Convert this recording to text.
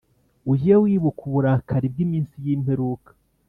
Ujye wibuka uburakari bw’iminsi y’imperuka,